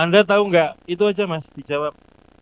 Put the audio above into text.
anda tahu nggak itu aja mas dijawab